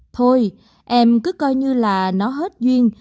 thôi em cứ coi như là nó hết duyên